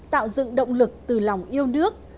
tạo dựng động lực từ lòng yêu nước